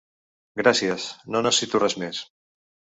Gràcies, no necessito res més.